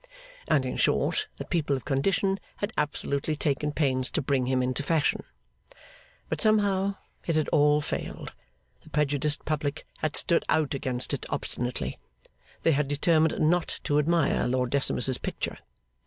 and, in short, that people of condition had absolutely taken pains to bring him into fashion. But, somehow, it had all failed. The prejudiced public had stood out against it obstinately. They had determined not to admire Lord Decimus's picture.